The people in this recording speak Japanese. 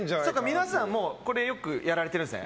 皆さん、これよくやられてるんですね。